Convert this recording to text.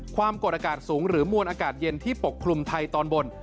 ความกดอากาศสูงหรือมวลอากาศเย็นที่ปกคลุมไทยตอนบน